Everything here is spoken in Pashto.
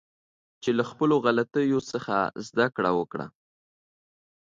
چې له خپلو غلطیو څخه زده کړه وکړه